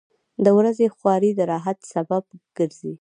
• د ورځې خواري د راحت سبب ګرځي.